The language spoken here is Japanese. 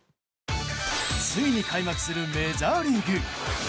ついに開幕するメジャーリーグ。